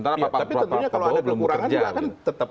tapi tentunya kalau ada kekurangan juga kan tetap